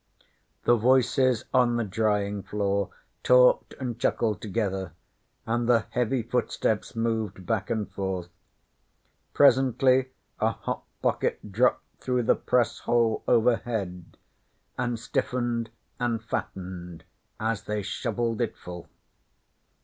The voices on the drying floor talked and chuckled together, and the heavy footsteps moved back and forth. Presently a hop pocket dropped through the press hole overhead, and stiffened and fattened as they shovelled it full.